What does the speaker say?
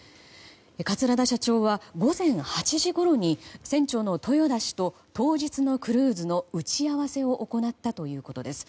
桂田社長は午前８時ごろに船長の豊田氏と当日のクルーズの打ち合わせを行ったということです。